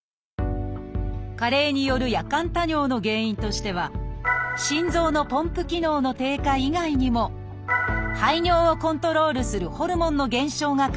加齢による夜間多尿の原因としては心臓のポンプ機能の低下以外にも排尿をコントロールするホルモンの減少が考えられます。